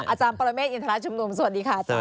อาจารย์ปรเมฆอินทรชุมนุมสวัสดีค่ะอาจาร